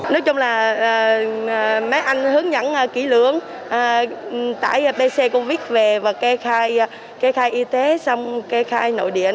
nói chung là mấy anh hướng dẫn kỹ lưỡng tải pc covid về và kê khai kê khai y tế xong kê khai nội địa